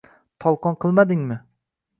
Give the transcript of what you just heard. Tolqon qilmadingmi?